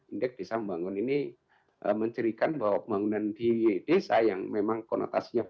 indeks desa membangun ini menceritakan bahwa pembangunan di desa yang memang konotasinya